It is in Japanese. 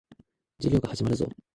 授業が始まるぞ。